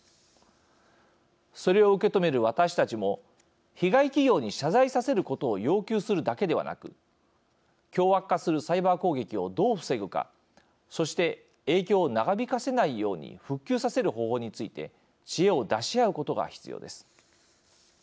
それを受け止める私たちも被害企業に謝罪させることを要求するだけではなく凶悪化するサイバー攻撃をどう防ぐかそして影響を長引かせないように復旧させる方法について知恵を出し合うことが必要です。